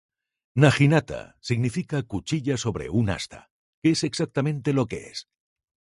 Naginata significa "cuchilla sobre un asta", que es exactamente lo que es.